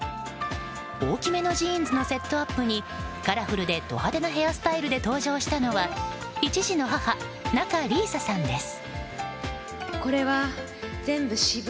大きめのジーンズのセットアップにカラフルでド派手なヘアスタイルで登場したのは１児の母・仲里依紗さんです。